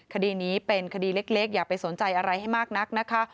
คดีนี้เป็นคดีเล็กอย่าไปสนใจอะไรให้มากนักนะคะ